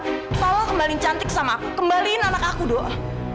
kalau kembalin cantik sama aku kembalin anak aku doang